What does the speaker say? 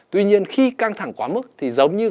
tuy nhiên khi căng thẳng quá mức thì giống như